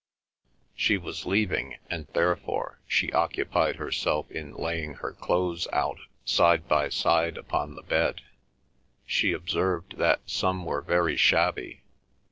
She was leaving, and, therefore, she occupied herself in laying her clothes out side by side upon the bed. She observed that some were very shabby.